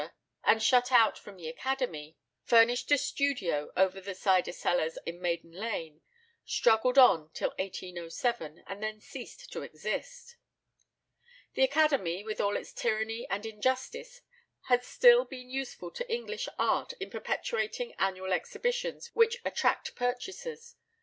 and shut out from the Academy, furnished a studio over the Cyder Cellars in Maiden Lane, struggled on till 1807, and then ceased to exist. The Academy, with all its tyranny and injustice, has still been useful to English art in perpetuating annual exhibitions which attract purchasers.